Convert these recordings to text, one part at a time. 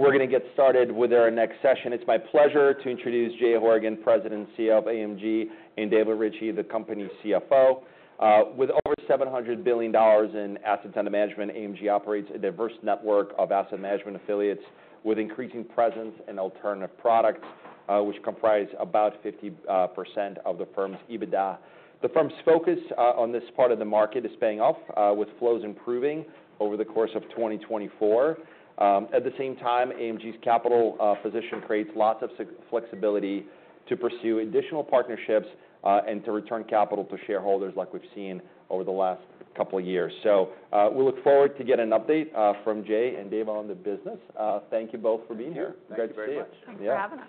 We're going to get started with our next session. It's my pleasure to introduce Jay Horgen, President and CEO of AMG, and Dava Ritchea, the company's CFO. With over $700 billion in assets under management, AMG operates a diverse network of asset management affiliates with increasing presence in alternative products, which comprise about 50% of the firm's EBITDA. The firm's focus on this part of the market is paying off, with flows improving over the course of 2024. At the same time, AMG's capital position creates lots of flexibility to pursue additional partnerships and to return capital to shareholders like we've seen over the last couple of years. So we look forward to getting an update from Jay and Dava on the business. Thank you both for being here. Thank you very much. Thanks for having us.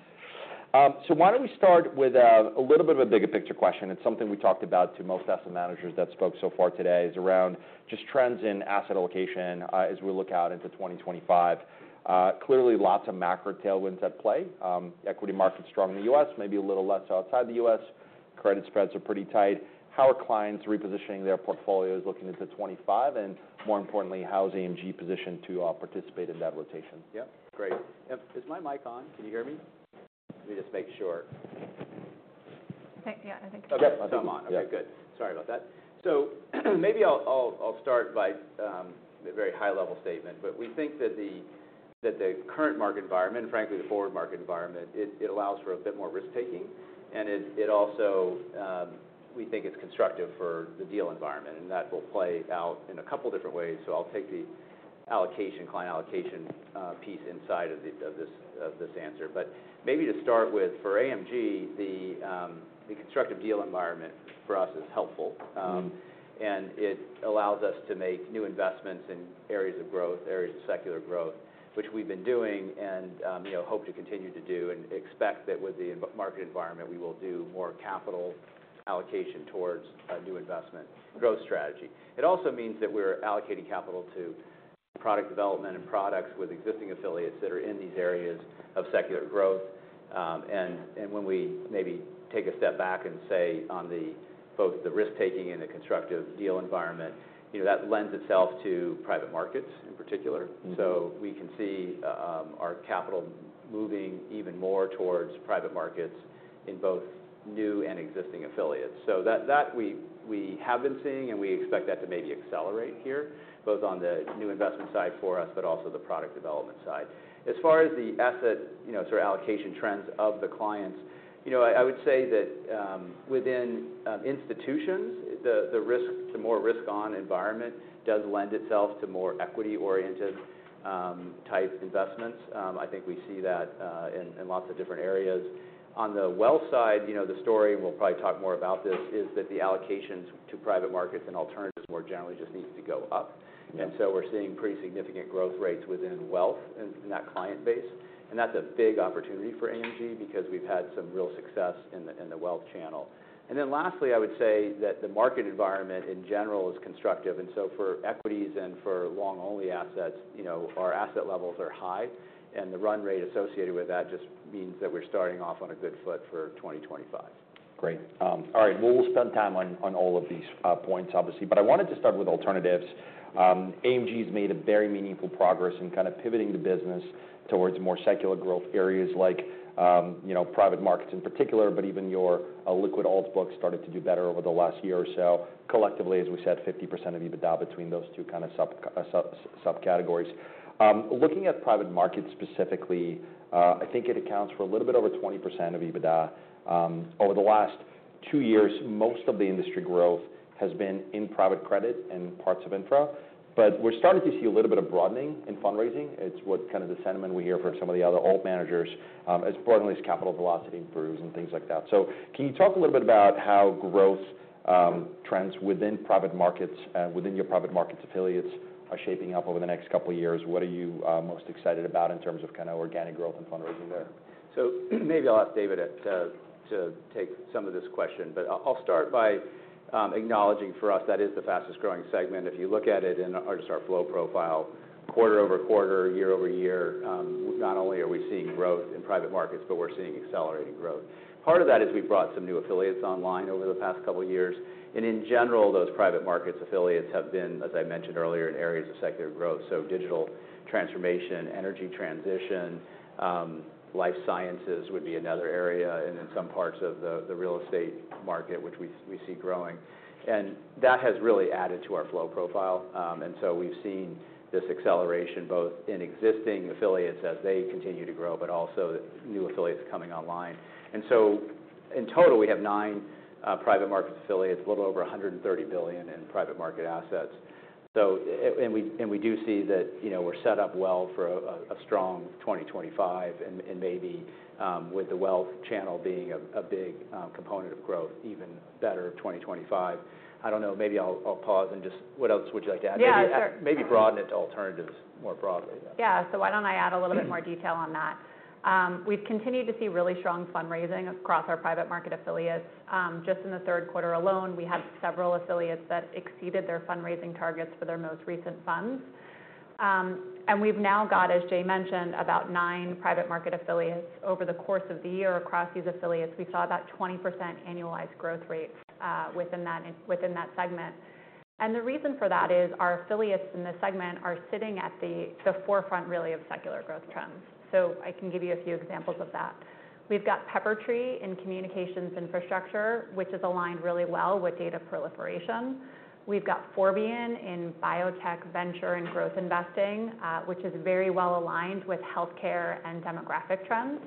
So why don't we start with a little bit of a bigger picture question? It's something we talked about to most asset managers that spoke so far today is around just trends in asset allocation as we look out into 2025. Clearly, lots of macro tailwinds at play. Equity markets strong in the U.S., maybe a little less outside the U.S. Credit spreads are pretty tight. How are clients repositioning their portfolios looking into 2025? And more importantly, how is AMG positioned to participate in that rotation? Yeah? Great. Is my mic on? Can you hear me? Let me just make sure. Yeah, I think it's on. Okay, I think I'm on. Okay, good. Sorry about that. So maybe I'll start by a very high-level statement. But we think that the current market environment, and frankly the forward market environment, it allows for a bit more risk-taking. And it also, we think, is constructive for the deal environment. And that will play out in a couple of different ways. So I'll take the allocation, client allocation piece inside of this answer. But maybe to start with, for AMG, the constructive deal environment for us is helpful. And it allows us to make new investments in areas of growth, areas of secular growth, which we've been doing and hope to continue to do. And expect that with the market environment, we will do more capital allocation towards a new investment growth strategy. It also means that we're allocating capital to product development and products with existing affiliates that are in these areas of secular growth. And when we maybe take a step back and say on both the risk-taking and the constructive deal environment, that lends itself to private markets in particular. So we can see our capital moving even more towards private markets in both new and existing affiliates. So that we have been seeing, and we expect that to maybe accelerate here, both on the new investment side for us, but also the product development side. As far as the asset sort of allocation trends of the clients, I would say that within institutions, the more risk-on environment does lend itself to more equity-oriented type investments. I think we see that in lots of different areas. On the wealth side, the story, and we'll probably talk more about this, is that the allocations to private markets and alternatives more generally just need to go up. And so we're seeing pretty significant growth rates within wealth in that client base. And that's a big opportunity for AMG because we've had some real success in the wealth channel. And then lastly, I would say that the market environment in general is constructive. And so for equities and for long-only assets, our asset levels are high. And the run rate associated with that just means that we're starting off on a good foot for 2025. Great. All right. We'll spend time on all of these points, obviously. But I wanted to start with alternatives. AMG has made very meaningful progress in kind of pivoting the business towards more secular growth areas like private markets in particular, but even your liquid alt book started to do better over the last year or so. Collectively, as we said, 50% of EBITDA between those two kind of subcategories. Looking at private markets specifically, I think it accounts for a little bit over 20% of EBITDA. Over the last two years, most of the industry growth has been in private credit and parts of infra. But we're starting to see a little bit of broadening in fundraising. It's what kind of the sentiment we hear from some of the other alt managers, as broadly as capital velocity improves and things like that. So can you talk a little bit about how growth trends within private markets, within your private markets affiliates, are shaping up over the next couple of years? What are you most excited about in terms of kind of organic growth and fundraising there? So maybe I'll ask Dava to take some of this question. But I'll start by acknowledging for us that is the fastest growing segment. If you look at it in just our flow profile, quarter-over-quarter, year-over-year, not only are we seeing growth in private markets, but we're seeing accelerating growth. Part of that is we brought some new affiliates online over the past couple of years. And in general, those private markets affiliates have been, as I mentioned earlier, in areas of secular growth. Digital transformation, energy transition, life sciences would be another area, and in some parts of the real estate market, which we see growing. And that has really added to our flow profile. And so we've seen this acceleration both in existing affiliates as they continue to grow, but also new affiliates coming online. And so in total, we have nine private markets affiliates, a little over $130 billion in private market assets. And we do see that we're set up well for a strong 2025, and maybe with the wealth channel being a big component of growth, even better 2025. I don't know, maybe I'll pause and just what else would you like to add? Yeah, sure. Maybe broaden it to alternatives more broadly. Yeah, so why don't I add a little bit more detail on that? We've continued to see really strong fundraising across our private market affiliates. Just in the third quarter alone, we had several affiliates that exceeded their fundraising targets for their most recent funds. And we've now got, as Jay mentioned, about nine private market affiliates. Over the course of the year, across these affiliates, we saw about 20% annualized growth rate within that segment. And the reason for that is our affiliates in this segment are sitting at the forefront, really, of secular growth trends. So I can give you a few examples of that. We've got Peppertree in communications infrastructure, which is aligned really well with data proliferation. We've got Forbion in biotech venture and growth investing, which is very well aligned with healthcare and demographic trends.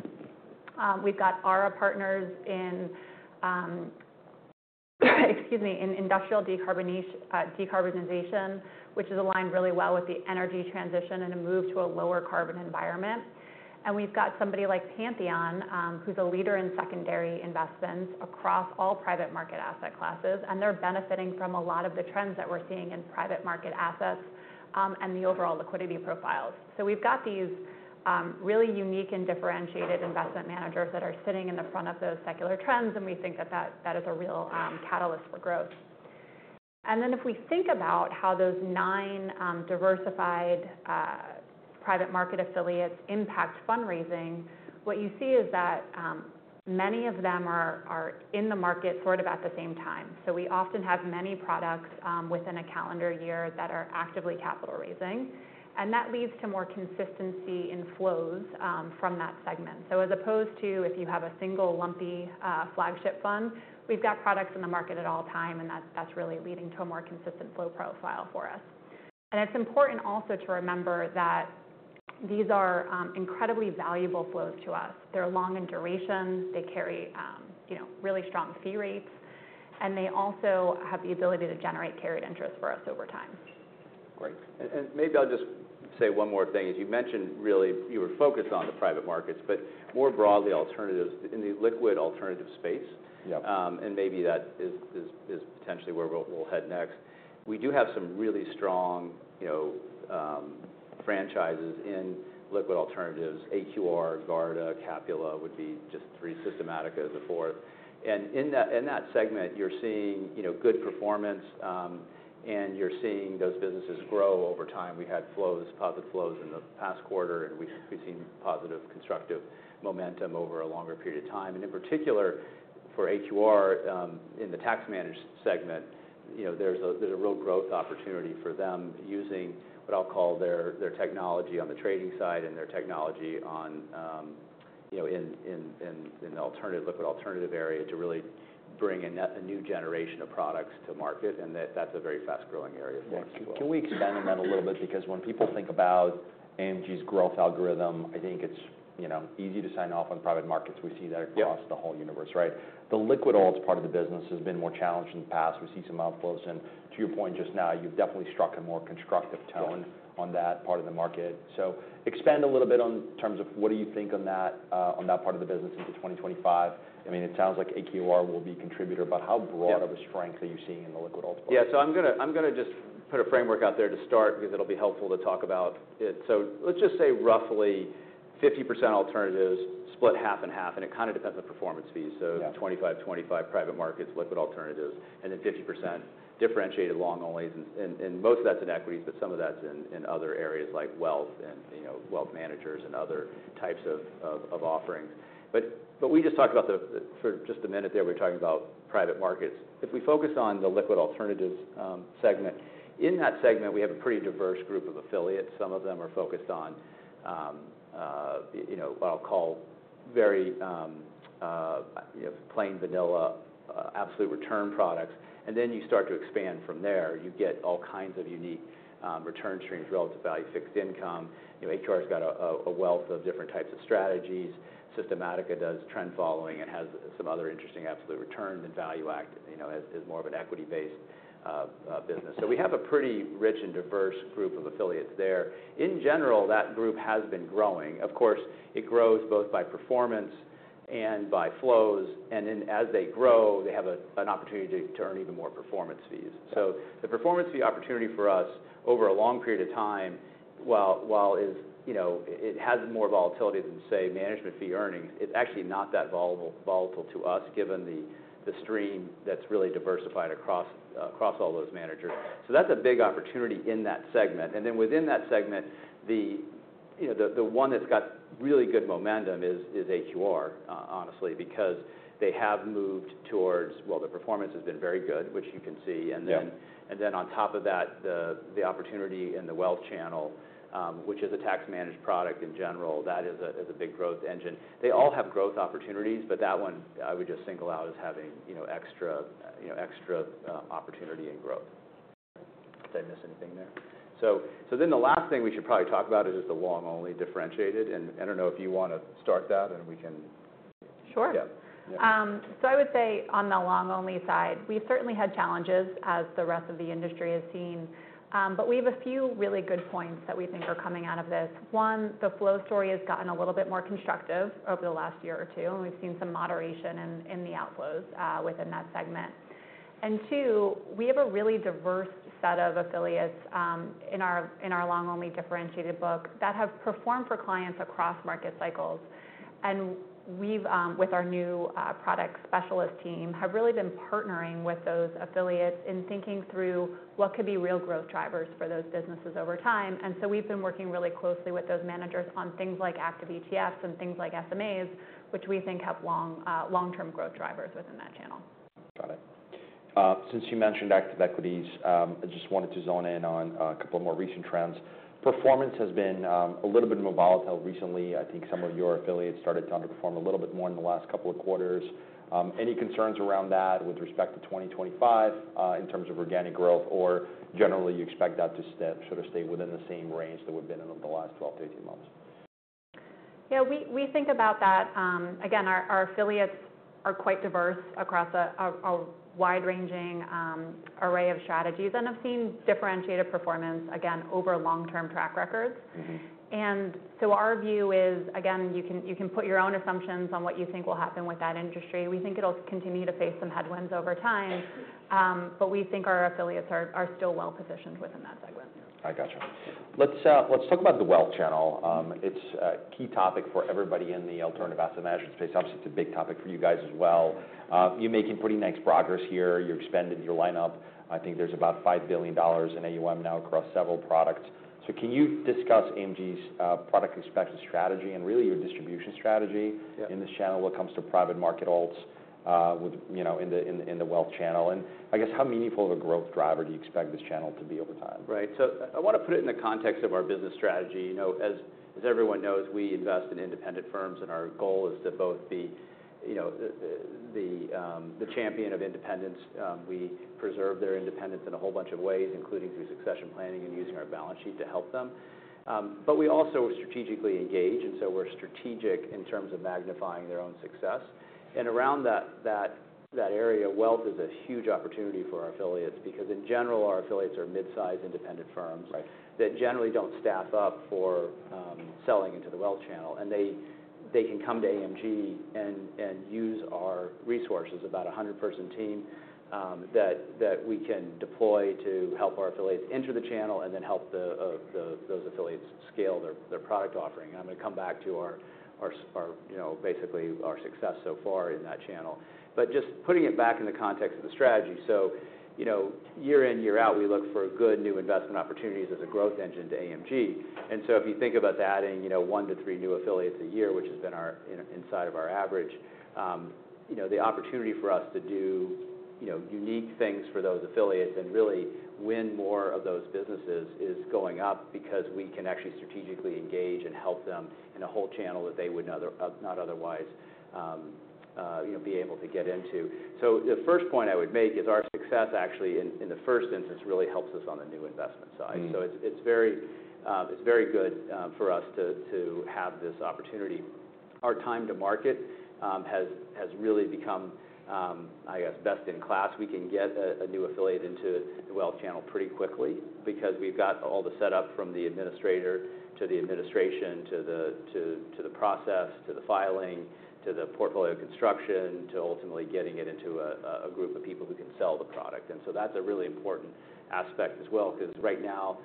We've got Ara Partners in, excuse me, in industrial decarbonization, which is aligned really well with the energy transition and a move to a lower carbon environment. And we've got somebody like Pantheon, who's a leader in secondary investments across all private market asset classes. And they're benefiting from a lot of the trends that we're seeing in private market assets and the overall liquidity profiles. So we've got these really unique and differentiated investment managers that are sitting in the front of those secular trends, and we think that that is a real catalyst for growth. And then if we think about how those nine diversified private market affiliates impact fundraising, what you see is that many of them are in the market sort of at the same time. So we often have many products within a calendar year that are actively capital raising. And that leads to more consistency in flows from that segment. So as opposed to if you have a single, lumpy flagship fund, we've got products in the market at all times, and that's really leading to a more consistent flow profile for us. And it's important also to remember that these are incredibly valuable flows to us. They're long in duration. They carry really strong fee rates. And they also have the ability to generate carried interest for us over time. Great. And maybe I'll just say one more thing. As you mentioned, really, you were focused on the private markets, but more broadly, alternatives in the liquid alternative space. And maybe that is potentially where we'll head next. We do have some really strong franchises in liquid alternatives. AQR, Garda, Capula would be just three, Systematica as a fourth. And in that segment, you're seeing good performance, and you're seeing those businesses grow over time. We had flows, positive flows in the past quarter, and we've seen positive constructive momentum over a longer period of time. And in particular, for AQR in the tax-managed segment, there's a real growth opportunity for them using what I'll call their technology on the trading side and their technology in the alternative liquid alternative area to really bring a new generation of products to market. And that's a very fast-growing area for AQR. Can we expand on that a little bit? Because when people think about AMG's growth algorithm, I think it's easy to sign off on private markets. We see that across the whole universe, right? The liquid alt part of the business has been more challenged in the past. We see some outflows. And to your point just now, you've definitely struck a more constructive tone on that part of the market. So expand a little bit in terms of what do you think on that part of the business into 2025? I mean, it sounds like AQR will be a contributor, but how broad of a strength are you seeing in the liquid alt? Yeah, so I'm going to just put a framework out there to start because it'll be helpful to talk about it. So let's just say roughly 50% alternatives split half and half. And it kind of depends on performance fees. So 25/25 private markets, liquid alternatives, and then 50% differentiated long-only. And most of that's in equities, but some of that's in other areas like wealth and wealth managers and other types of offerings. But we just talked about for just a minute there, we were talking about private markets. If we focus on the liquid alternatives segment, in that segment, we have a pretty diverse group of affiliates. Some of them are focused on what I'll call very plain vanilla absolute return products. And then you start to expand from there. You get all kinds of unique return streams, relative value, fixed income. AQR has got a wealth of different types of strategies. Systematica does trend following and has some other interesting absolute returns. And ValueAct is more of an equity-based business. So we have a pretty rich and diverse group of affiliates there. In general, that group has been growing. Of course, it grows both by performance and by flows. And then as they grow, they have an opportunity to earn even more performance fees. So the performance fee opportunity for us over a long period of time, while it has more volatility than, say, management fee earnings, it's actually not that volatile to us given the stream that's really diversified across all those managers. So that's a big opportunity in that segment. And then within that segment, the one that's got really good momentum is AQR, honestly, because they have moved towards, well, their performance has been very good, which you can see. And then on top of that, the opportunity in the wealth channel, which is a tax managed product in general, that is a big growth engine. They all have growth opportunities, but that one I would just single out as having extra opportunity and growth. Did I miss anything there? So then the last thing we should probably talk about is just the long-only differentiated. And I don't know if you want to start that, and we can. Sure. So I would say on the long-only side, we've certainly had challenges as the rest of the industry has seen. But we have a few really good points that we think are coming out of this. One, the flow story has gotten a little bit more constructive over the last year or two, and we've seen some moderation in the outflows within that segment. And two, we have a really diverse set of affiliates in our long-only differentiated book that have performed for clients across market cycles. And we, with our new product specialist team, have really been partnering with those affiliates in thinking through what could be real growth drivers for those businesses over time. And so we've been working really closely with those managers on things like active ETFs and things like SMAs, which we think have long-term growth drivers within that channel. Got it. Since you mentioned active equities, I just wanted to zone in on a couple of more recent trends. Performance has been a little bit more volatile recently. I think some of your affiliates started to underperform a little bit more in the last couple of quarters. Any concerns around that with respect to 2025 in terms of organic growth, or generally, you expect that to sort of stay within the same range that we've been in over the last 12 months-18 months? Yeah, we think about that. Again, our affiliates are quite diverse across a wide-ranging array of strategies and have seen differentiated performance, again, over long-term track records, and so our view is, again, you can put your own assumptions on what you think will happen with that industry. We think it'll continue to face some headwinds over time, but we think our affiliates are still well-positioned within that segment. I gotcha. Let's talk about the wealth channel. It's a key topic for everybody in the alternative asset management space. Obviously, it's a big topic for you guys as well. You're making pretty nice progress here. You've expanded your lineup. I think there's about $5 billion in AUM now across several products. So can you discuss AMG's product expansion strategy and really your distribution strategy in this channel when it comes to private market alts in the wealth channel? And I guess, how meaningful of a growth driver do you expect this channel to be over time? Right. So I want to put it in the context of our business strategy. As everyone knows, we invest in independent firms, and our goal is to both be the champion of independence. We preserve their independence in a whole bunch of ways, including through succession planning and using our balance sheet to help them. But we also strategically engage, and so we're strategic in terms of magnifying their own success. And around that area, wealth is a huge opportunity for our affiliates because, in general, our affiliates are mid-sized independent firms that generally don't staff up for selling into the wealth channel. And they can come to AMG and use our resources, about a 100-person team that we can deploy to help our affiliates enter the channel and then help those affiliates scale their product offering. And I'm going to come back to basically our success so far in that channel. But just putting it back in the context of the strategy, so year in, year out, we look for good new investment opportunities as a growth engine to AMG. And so if you think about adding one to three new affiliates a year, which has been inside of our average, the opportunity for us to do unique things for those affiliates and really win more of those businesses is going up because we can actually strategically engage and help them in a whole channel that they would not otherwise be able to get into. So the first point I would make is our success, actually, in the first instance, really helps us on the new investment side. So it's very good for us to have this opportunity. Our time to market has really become, I guess, best in class. We can get a new affiliate into the wealth channel pretty quickly because we've got all the setup from the administrator to the administration to the process to the filing to the portfolio construction to ultimately getting it into a group of people who can sell the product. And so that's a really important aspect as well because right now,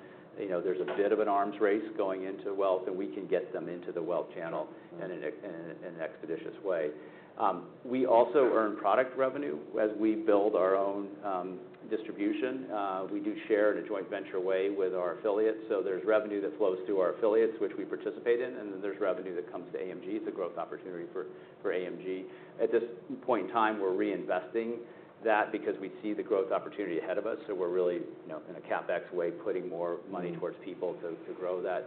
there's a bit of an arms race going into wealth, and we can get them into the wealth channel in an expeditious way. We also earn product revenue as we build our own distribution. We do share in a joint venture way with our affiliates. So there's revenue that flows through our affiliates, which we participate in, and then there's revenue that comes to AMG. It's a growth opportunity for AMG. At this point in time, we're reinvesting that because we see the growth opportunity ahead of us. So we're really, in a CapEx way, putting more money towards people to grow that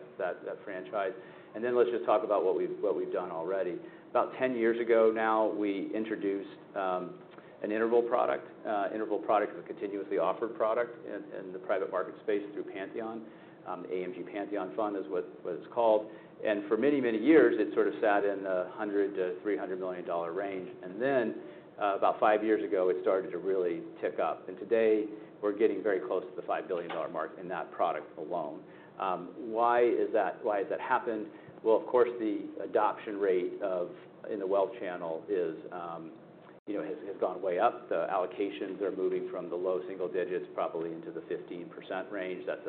franchise. And then let's just talk about what we've done already. About 10 years ago now, we introduced an interval product. Interval product is a continuously offered product in the private market space through Pantheon. AMG Pantheon Fund is what it's called. And for many, many years, it sort of sat in the $100 million-$300 million range. And then about five years ago, it started to really tick up. And today, we're getting very close to the $5 billion mark in that product alone. Why has that happened? Well, of course, the adoption rate in the wealth channel has gone way up. The allocations are moving from the low single digits probably into the 15% range. That's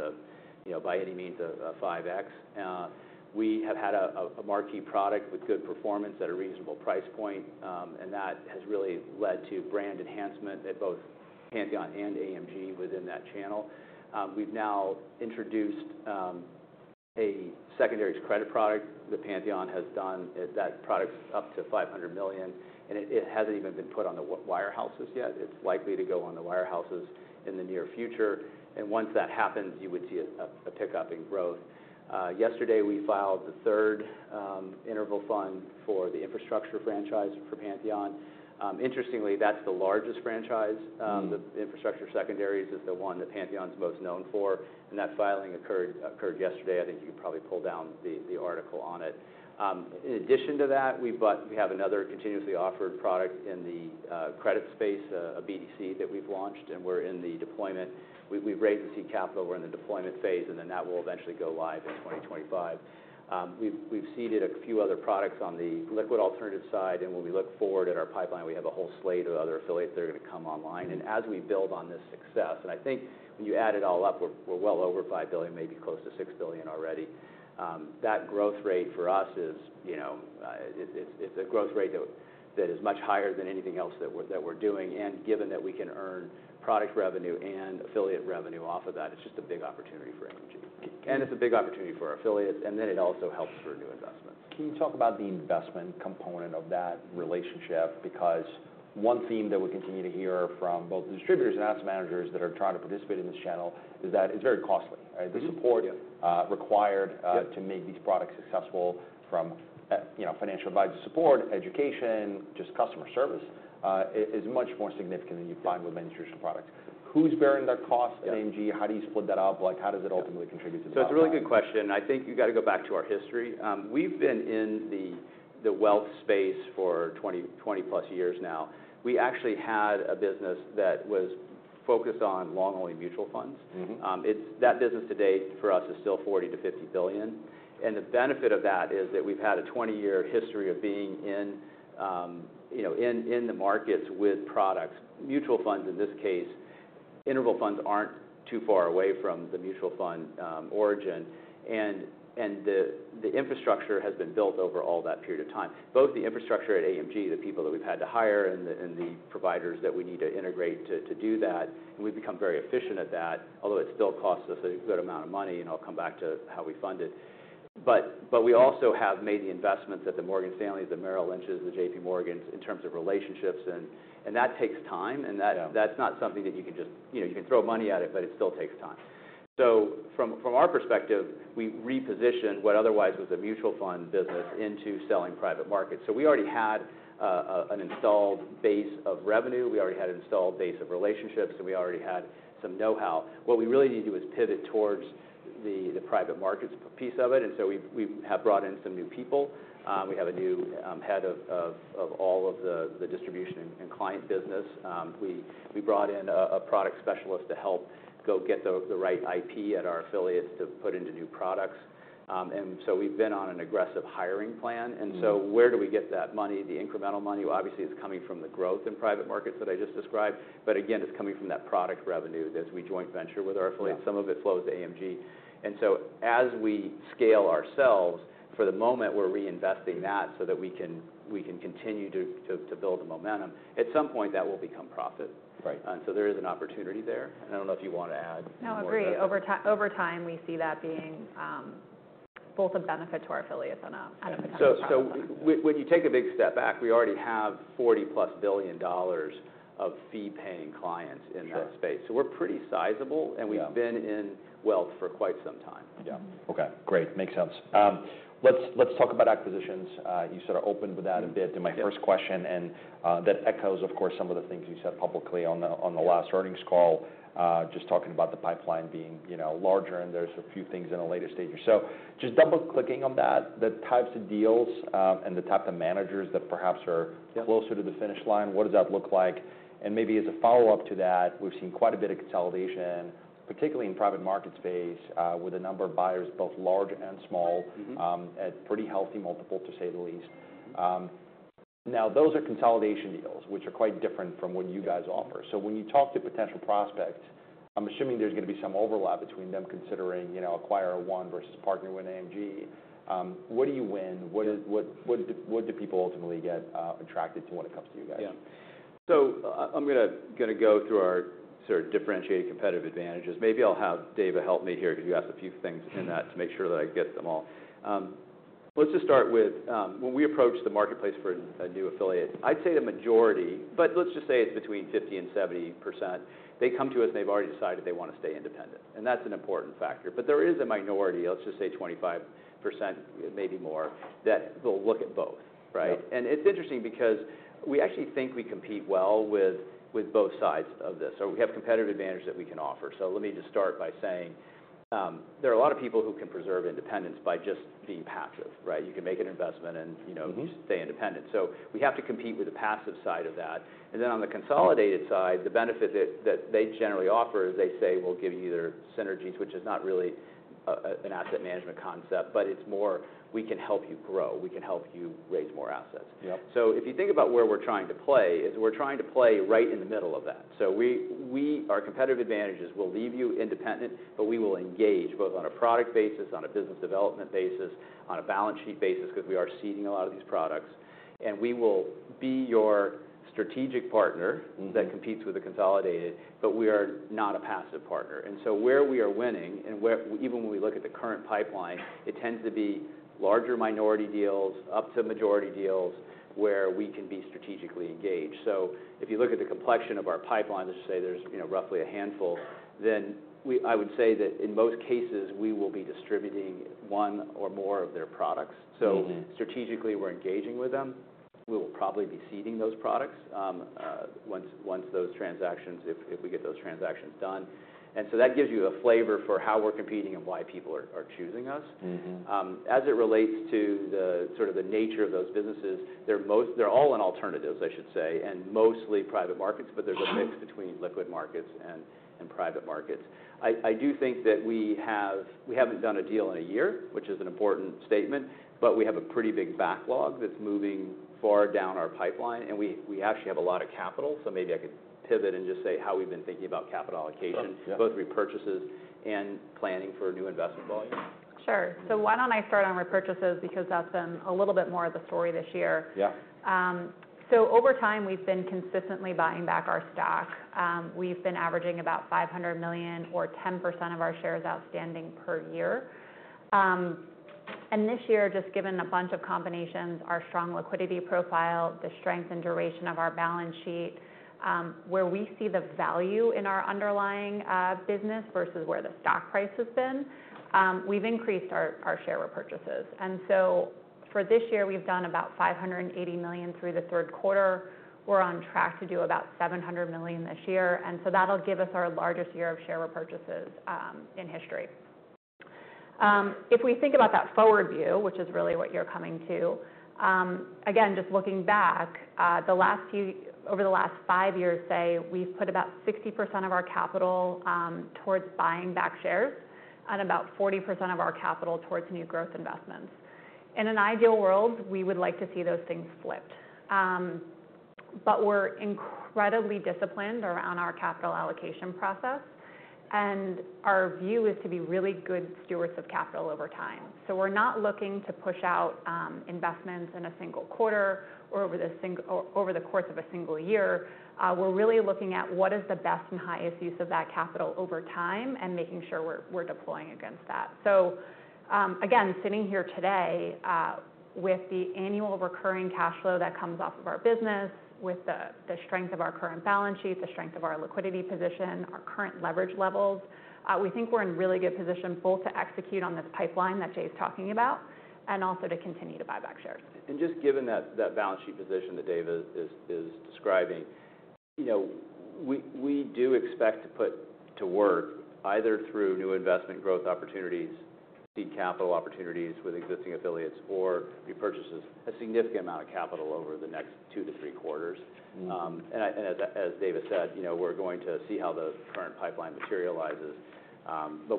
by any means a 5x. We have had a marquee product with good performance at a reasonable price point, and that has really led to brand enhancement at both Pantheon and AMG within that channel. We've now introduced a secondary credit product that Pantheon has done. That product's up to $500 million, and it hasn't even been put on the wirehouses yet. It's likely to go on the wirehouses in the near future, and once that happens, you would see a pickup in growth. Yesterday, we filed the third interval fund for the infrastructure franchise for Pantheon. Interestingly, that's the largest franchise. The infrastructure secondaries is the one that Pantheon's most known for, and that filing occurred yesterday. I think you could probably pull down the article on it. In addition to that, we have another continuously offered product in the credit space, a BDC that we've launched, and we're in the deployment. We've raised the seed capital. We're in the deployment phase, and then that will eventually go live in 2025. We've seeded a few other products on the liquid alternative side, and when we look forward at our pipeline, we have a whole slate of other affiliates that are going to come online. And as we build on this success, and I think when you add it all up, we're well over $5 billion, maybe close to $6 billion already. That growth rate for us is a growth rate that is much higher than anything else that we're doing. And given that we can earn product revenue and affiliate revenue off of that, it's just a big opportunity for AMG. And it's a big opportunity for our affiliates, and then it also helps for new investments. Can you talk about the investment component of that relationship? Because one theme that we continue to hear from both the distributors and asset managers that are trying to participate in this channel is that it's very costly, right? The support required to make these products successful, from financial advisor support, education, just customer service, is much more significant than you'd find with many traditional products. Who's bearing that cost at AMG? How do you split that up? How does it ultimately contribute to the value? So it's a really good question. I think you've got to go back to our history. We've been in the wealth space for 20+ years now. We actually had a business that was focused on long-only mutual funds. That business today for us is still $40 billion-$50 billion. And the benefit of that is that we've had a 20-year history of being in the markets with products. Mutual funds, in this case, interval funds aren't too far away from the mutual fund origin. And the infrastructure has been built over all that period of time. Both the infrastructure at AMG, the people that we've had to hire, and the providers that we need to integrate to do that, and we've become very efficient at that, although it still costs us a good amount of money, and I'll come back to how we fund it. But we also have made the investments at the Morgan family, the Merrill Lynches, the JPMorgans, in terms of relationships. And that takes time, and that's not something that you can just throw money at it, but it still takes time. So from our perspective, we repositioned what otherwise was a mutual fund business into selling private markets. So we already had an installed base of revenue. We already had an installed base of relationships, and we already had some know-how. What we really need to do is pivot towards the private markets piece of it. And so we have brought in some new people. We have a new head of all of the distribution and client business. We brought in a product specialist to help go get the right IP at our affiliates to put into new products. And so we've been on an aggressive hiring plan. And so where do we get that money? The incremental money, obviously, is coming from the growth in private markets that I just described. But again, it's coming from that product revenue as we joint venture with our affiliates. Some of it flows to AMG. And so as we scale ourselves, for the moment, we're reinvesting that so that we can continue to build the momentum. At some point, that will become profit. And so there is an opportunity there. And I don't know if you want to add. No, agree. Over time, we see that being both a benefit to our affiliates and a potential. So when you take a big step back, we already have $40+ billion of fee-paying clients in that space. So we're pretty sizable, and we've been in wealth for quite some time. Yeah. Okay. Great. Makes sense. Let's talk about acquisitions. You sort of opened with that a bit in my first question, and that echoes, of course, some of the things you said publicly on the last earnings call, just talking about the pipeline being larger, and there's a few things in the later stages. So just double-clicking on that, the types of deals and the type of managers that perhaps are closer to the finish line, what does that look like? And maybe as a follow-up to that, we've seen quite a bit of consolidation, particularly in the private market space, with a number of buyers, both large and small, at pretty healthy multiples, to say the least. Now, those are consolidation deals, which are quite different from what you guys offer. So when you talk to potential prospects, I'm assuming there's going to be some overlap between them considering acquiring one versus partnering with AMG. What do you win? What do people ultimately get attracted to when it comes to you guys? Yeah. So I'm going to go through our sort of differentiated competitive advantages. Maybe I'll have Dava help me here because you asked a few things in that to make sure that I get them all. Let's just start with when we approach the marketplace for a new affiliate. I'd say the majority, but let's just say it's between 50%-70%. They come to us and they've already decided they want to stay independent. And that's an important factor. But there is a minority, let's just say 25%, maybe more, that will look at both, right? And it's interesting because we actually think we compete well with both sides of this, or we have competitive advantage that we can offer. So let me just start by saying there are a lot of people who can preserve independence by just being passive, right? You can make an investment and stay independent. So we have to compete with the passive side of that. And then on the consolidated side, the benefit that they generally offer is they say, "We'll give you either synergies," which is not really an asset management concept, but it's more, "We can help you grow. We can help you raise more assets." So if you think about where we're trying to play, is we're trying to play right in the middle of that. So our competitive advantages will leave you independent, but we will engage both on a product basis, on a business development basis, on a balance sheet basis because we are seeding a lot of these products. And we will be your strategic partner that competes with the consolidated, but we are not a passive partner. Where we are winning, and even when we look at the current pipeline, it tends to be larger minority deals up to majority deals where we can be strategically engaged. If you look at the complexion of our pipeline, let's just say there's roughly a handful, then I would say that in most cases, we will be distributing one or more of their products. Strategically, we're engaging with them. We will probably be seeding those products once those transactions, if we get those transactions done. That gives you a flavor for how we're competing and why people are choosing us. As it relates to sort of the nature of those businesses, they're all in alternatives, I should say, and mostly private markets, but there's a mix between liquid markets and private markets. I do think that we haven't done a deal in a year, which is an important statement, but we have a pretty big backlog that's moving far down our pipeline, and we actually have a lot of capital, so maybe I could pivot and just say how we've been thinking about capital allocation, both repurchases and planning for new investment volume. Sure. So why don't I start on repurchases because that's been a little bit more of the story this year. So over time, we've been consistently buying back our stock. We've been averaging about $500 million or 10% of our shares outstanding per year. And this year, just given a bunch of combinations, our strong liquidity profile, the strength and duration of our balance sheet, where we see the value in our underlying business versus where the stock price has been, we've increased our share repurchases. And so for this year, we've done about $580 million through the third quarter. We're on track to do about $700 million this year. And so that'll give us our largest year of share repurchases in history. If we think about that forward view, which is really what you're coming to, again, just looking back, over the last five years, say, we've put about 60% of our capital towards buying back shares and about 40% of our capital towards new growth investments. In an ideal world, we would like to see those things flipped. But we're incredibly disciplined around our capital allocation process, and our view is to be really good stewards of capital over time. So we're not looking to push out investments in a single quarter or over the course of a single year. We're really looking at what is the best and highest use of that capital over time and making sure we're deploying against that. So again, sitting here today with the annual recurring cash flow that comes off of our business, with the strength of our current balance sheet, the strength of our liquidity position, our current leverage levels, we think we're in really good position both to execute on this pipeline that Jay's talking about and also to continue to buy back shares. Just given that balance sheet position that Dava is describing, we do expect to put to work either through new investment growth opportunities, seed capital opportunities with existing affiliates, or repurchases, a significant amount of capital over the next two to three quarters. As Dava said, we're going to see how the current pipeline materializes.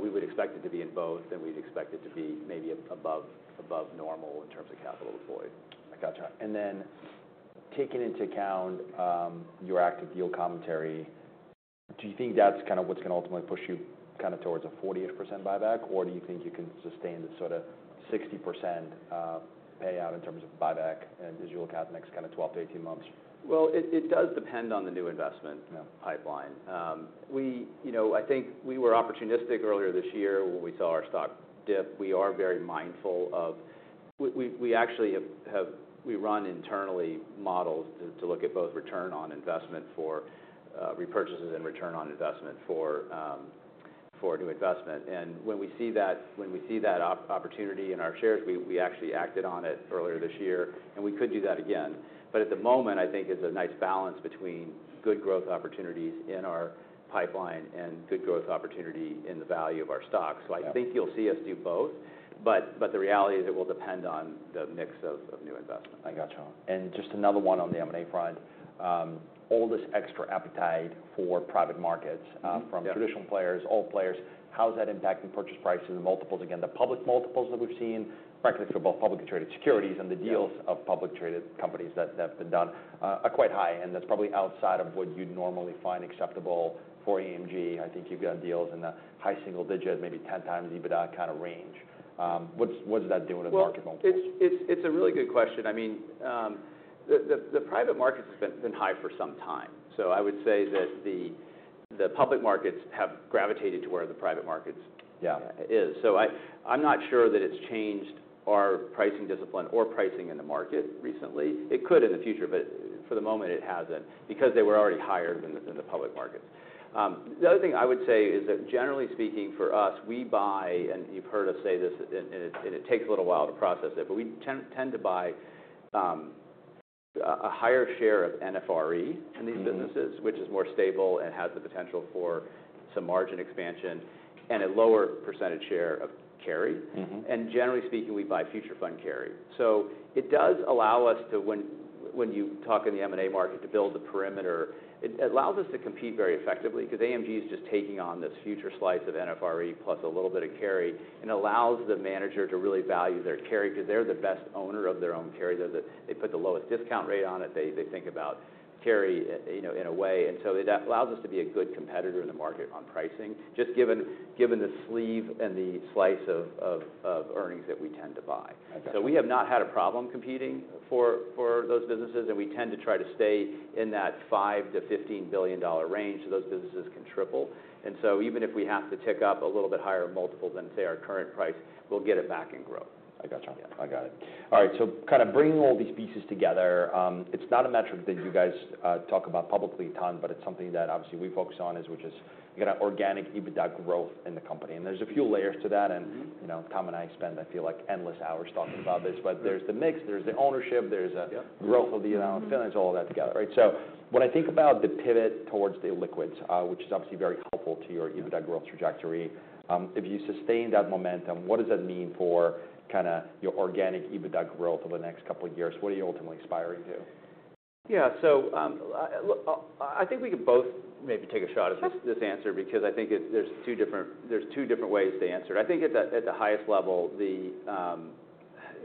We would expect it to be in both, and we'd expect it to be maybe above normal in terms of capital deployed. I gotcha, and then taking into account your active deal commentary, do you think that's kind of what's going to ultimately push you kind of towards a 40%-ish buyback, or do you think you can sustain the sort of 60% payout in terms of buyback as you look at the next kind of 12 months-18 months? It does depend on the new investment pipeline. I think we were opportunistic earlier this year when we saw our stock dip. We are very mindful. We run internal models to look at both return on investment for repurchases and return on investment for new investment. When we see that opportunity in our shares, we actually acted on it earlier this year, and we could do that again. At the moment, I think it's a nice balance between good growth opportunities in our pipeline and good growth opportunity in the value of our stock. I think you'll see us do both, but the reality is it will depend on the mix of new investment. I gotcha. And just another one on the M&A front, all this extra appetite for private markets from traditional players, old players, how's that impacting purchase prices and multiples? Again, the public multiples that we've seen, frankly, for both publicly traded securities and the deals of publicly traded companies that have been done are quite high, and that's probably outside of what you'd normally find acceptable for AMG. I think you've got deals in the high single digit, maybe 10x EBITDA kind of range. What's that doing in the market multiple? It's a really good question. I mean, the private markets have been high for some time. So I would say that the public markets have gravitated to where the private markets is. So I'm not sure that it's changed our pricing discipline or pricing in the market recently. It could in the future, but for the moment, it hasn't because they were already higher than the public markets. The other thing I would say is that generally speaking, for us, we buy, and you've heard us say this, and it takes a little while to process it, but we tend to buy a higher share of NFRE in these businesses, which is more stable and has the potential for some margin expansion, and a lower percentage share of carry. And generally speaking, we buy future fund carry. So it does allow us to, when you talk in the M&A market, to build the perimeter. It allows us to compete very effectively because AMG is just taking on this future slice of NFRE plus a little bit of carry and allows the manager to really value their carry because they're the best owner of their own carry. They put the lowest discount rate on it. They think about carry in a way. And so that allows us to be a good competitor in the market on pricing, just given the sleeve and the slice of earnings that we tend to buy. So we have not had a problem competing for those businesses, and we tend to try to stay in that $5 billion-$15 billion range so those businesses can triple. And so even if we have to tick up a little bit higher multiples than, say, our current price, we'll get it back and grow. I gotcha. I got it. All right. So kind of bringing all these pieces together, it's not a metric that you guys talk about publicly a ton, but it's something that obviously we focus on, which is organic EBITDA growth in the company. And there's a few layers to that. And Tom and I spend, I feel like, endless hours talking about this, but there's the mix, there's the ownership, there's a growth of the amount of AUM, all of that together, right? So when I think about the pivot towards the liquids, which is obviously very helpful to your EBITDA growth trajectory, if you sustain that momentum, what does that mean for kind of your organic EBITDA growth over the next couple of years? What are you ultimately aspiring to? Yeah. So I think we could both maybe take a shot at this answer because I think there's two different ways to answer it. I think at the highest level,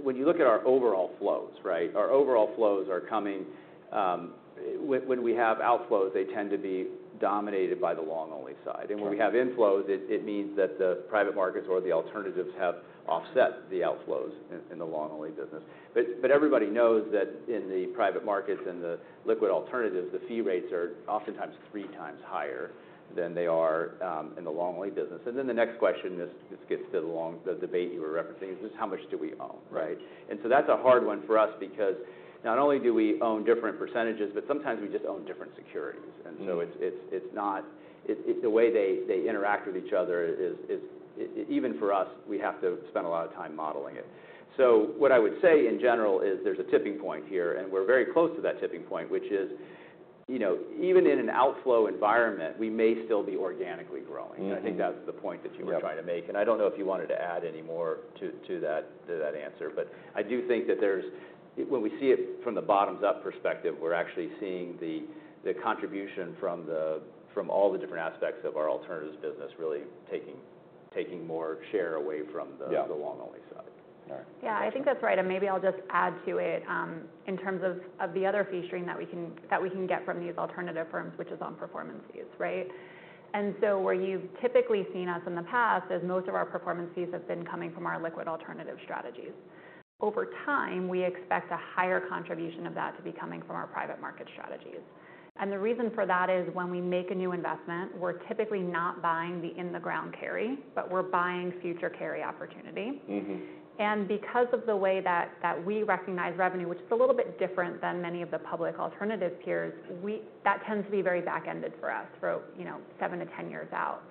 when you look at our overall flows, right, our overall flows are coming when we have outflows, they tend to be dominated by the long-only side, and when we have inflows, it means that the private markets or the alternatives have offset the outflows in the long-only business, but everybody knows that in the private markets and the liquid alternatives, the fee rates are oftentimes three times higher than they are in the long-only business, and then the next question, this gets to the debate you were referencing, is just how much do we own, right, and so that's a hard one for us because not only do we own different percentages, but sometimes we just own different securities. And so the way they interact with each other, even for us, we have to spend a lot of time modeling it. So what I would say in general is there's a tipping point here, and we're very close to that tipping point, which is even in an outflow environment, we may still be organically growing. And I think that's the point that you were trying to make. And I don't know if you wanted to add any more to that answer, but I do think that when we see it from the bottom-up perspective, we're actually seeing the contribution from all the different aspects of our alternatives business really taking more share away from the long-only side. Yeah, I think that's right. And maybe I'll just add to it in terms of the other benefit that we can get from these alternative firms, which is on performance fees, right? And so where you've typically seen us in the past is most of our performance fees have been coming from our liquid alternative strategies. Over time, we expect a higher contribution of that to be coming from our private market strategies. And the reason for that is when we make a new investment, we're typically not buying the in-the-ground carry, but we're buying future carry opportunity. And because of the way that we recognize revenue, which is a little bit different than many of the public alternative peers, that tends to be very back-ended for us for 7 years-10 years out.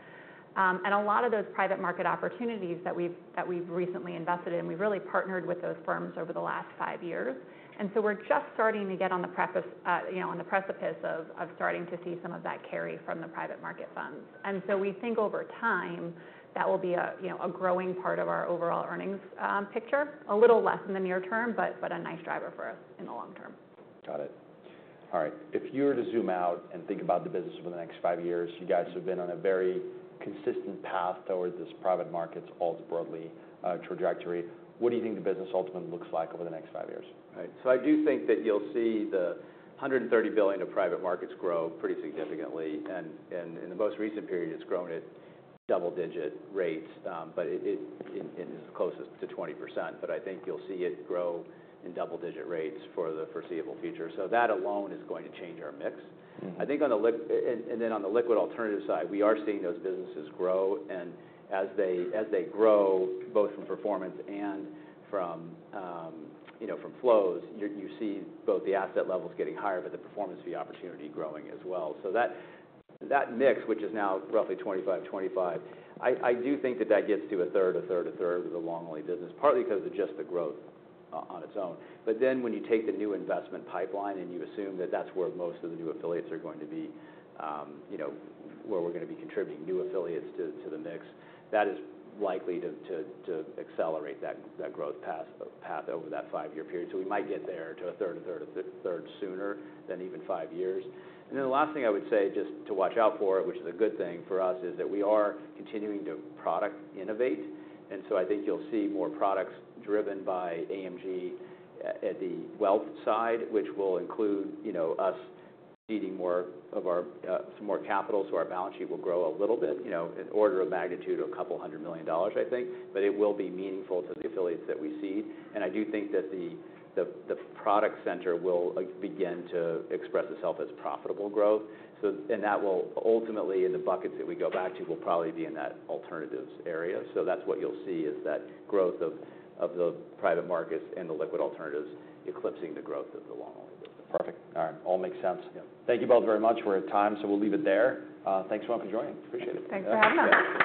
And a lot of those private market opportunities that we've recently invested in, we've really partnered with those firms over the last five years. And so we're just starting to get on the precipice of starting to see some of that carry from the private market funds. And so we think over time that will be a growing part of our overall earnings picture, a little less in the near term, but a nice driver for us in the long term. Got it. All right. If you were to zoom out and think about the business over the next five years, you guys have been on a very consistent path towards this private markets all broadly trajectory. What do you think the business ultimately looks like over the next five years? Right, so I do think that you'll see the $130 billion of private markets grow pretty significantly, and in the most recent period, it's grown at double-digit rates, but it is closest to 20%, but I think you'll see it grow in double-digit rates for the foreseeable future, so that alone is going to change our mix. I think on the liquid alternative side, we are seeing those businesses grow, and as they grow, both from performance and from flows, you see both the asset levels getting higher, but the performance fee opportunity growing as well, so that mix, which is now roughly 25%,25%, I do think that that gets to 1/3, 1/3,1/3 of the long-only business, partly because of just the growth on its own. But then, when you take the new investment pipeline and you assume that that's where most of the new affiliates are going to be, where we're going to be contributing new affiliates to the mix, that is likely to accelerate that growth path over that five-year period. So we might get there to 1/3, 1/3,1/3 sooner than even five years. And then the last thing I would say just to watch out for, which is a good thing for us, is that we are continuing to product innovate. And so I think you'll see more products driven by AMG at the wealth side, which will include us seeding more of our some more capital so our balance sheet will grow a little bit in order of magnitude of $200 million, I think. But it will be meaningful to the affiliates that we seed. I do think that the product center will begin to express itself as profitable growth. That will ultimately, in the buckets that we go back to, will probably be in that alternatives area. That's what you'll see is that growth of the private markets and the liquid alternatives eclipsing the growth of the long-only business. Perfect. All right. All makes sense. Thank you both very much. We're at time, so we'll leave it there. Thanks for joining. Appreciate it. Thanks for having us.